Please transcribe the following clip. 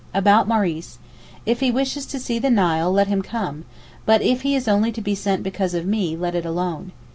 About Maurice. If he wishes to see the Nile let him come, but if he is only to be sent because of me, let it alone.